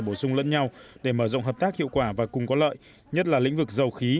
bổ sung lẫn nhau để mở rộng hợp tác hiệu quả và cùng có lợi nhất là lĩnh vực dầu khí